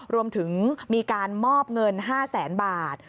รวมถึงมีการมอบเงิน๕แสนบาท